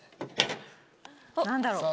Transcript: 何だろう。